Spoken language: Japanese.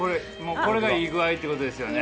これがいい具合ってことですよね